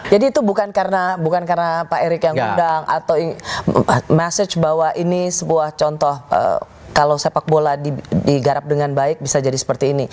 jadi itu bukan karena pak erik yang undang atau message bahwa ini sebuah contoh kalau sepak bola digarap dengan baik bisa jadi seperti ini